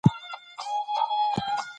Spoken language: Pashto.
کورنۍ باید خپل مالي لګښتونه وڅاري.